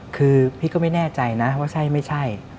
คือพี่ก็ไม่แน่ใจนะว่าใช่ไม่ใช่